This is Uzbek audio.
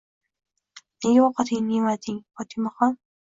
Nega ovqatingizni yemadingiz, Fotimaxon?